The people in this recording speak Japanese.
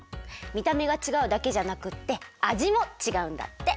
みためがちがうだけじゃなくってあじもちがうんだって。